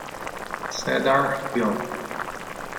Cedar Hill